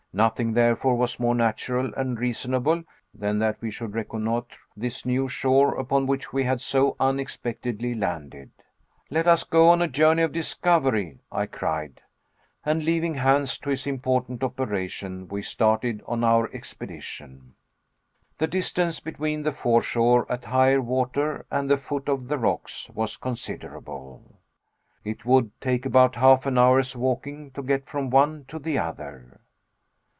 Nothing, therefore, was more natural and reasonable than that we should reconnoiter this new shore upon which we had so unexpectedly landed. "Let us go on a journey of discovery," I cried. And leaving Hans to his important operation, we started on our expedition. The distance between the foreshore at high water and the foot of the rocks was considerable. It would take about half an hour's walking to get from one to the other.